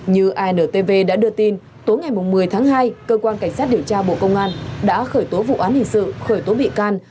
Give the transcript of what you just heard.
như intv đã đưa tin tối ngày một mươi tháng hai cơ quan cảnh sát điều tra bộ công an đã khởi tố vụ án hình sự khởi tố bị can